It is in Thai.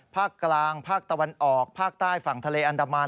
ภาคกลางภาคตะวันออกภาคใต้ฝั่งทะเลอันดามัน